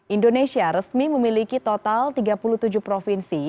indonesia resmi memiliki total tiga puluh tujuh provinsi